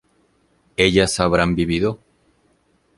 ¿ellas habrán vivido?